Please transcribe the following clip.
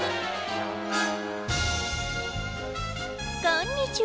こんにちは。